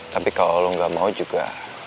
tapi kalau lo gak mau juga